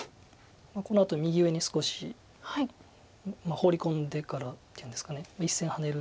このあと右上に少しホウリ込んでからっていうんですか１線ハネる。